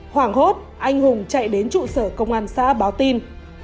hoảng hốt anh hùng chạy đến trụ sở công an xã báo tin